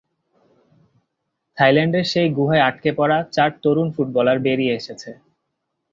থাইল্যান্ডের সেই গুহায় আটকে পড়া চার তরুণ ফুটবলার বেরিয়ে এসেছে।